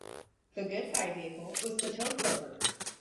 The good guy vehicle was the Toad Croaker.